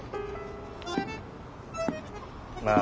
まあ。